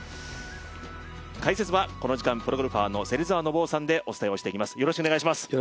解説はこの時間、プロゴルファーの芹澤信雄さんでお伝えしていきます。